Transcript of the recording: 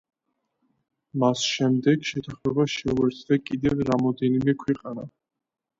მას შემდეგ შეთანხმებას შეუერთდა კიდევ რამდენიმე ქვეყანა.